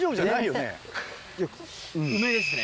梅ですね。